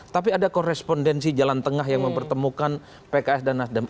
tapi ada korespondensi jalan tengah yang mempertemukan pks dan nasdem